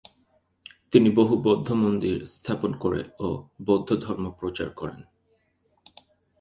তিনি বহু বৌদ্ধ মন্দির স্থাপন করে ও বৌদ্ধ ধর্ম প্রচার করেন।